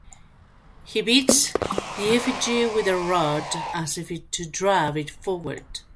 He beats the effigy with a rod, as if to drive it forward.